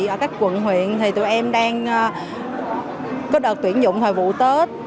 ở các quận huyện thì tụi em đang có đợt tuyển dụng thời vụ tết